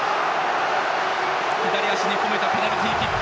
左足に込めたペナルティーキック。